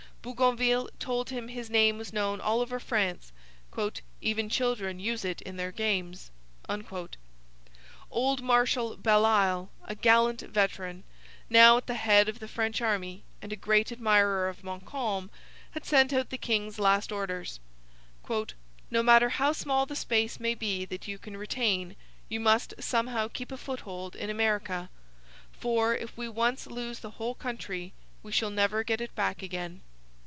Bougainville told him his name was known all over France; 'even the children use it in their games.' Old Marshal Belle Isle, a gallant veteran, now at the head of the French army, and a great admirer of Montcalm, had sent out the king's last orders: 'No matter how small the space may be that you can retain, you must somehow keep a foothold in America; for, if we once lose the whole country, we shall never get it back again.